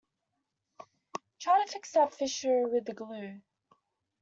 Try to fix that fissure with glue.